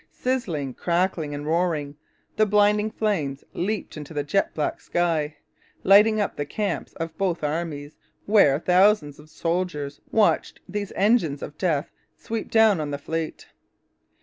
Sizzling, crackling, and roaring, the blinding flames leaped into the jet black sky, lighting up the camps of both armies, where thousands of soldiers watched these engines of death sweep down on the fleet.